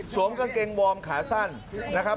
กางเกงวอร์มขาสั้นนะครับ